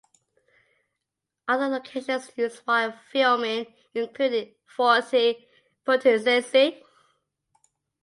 Other locations used while filming included Forte Portuense.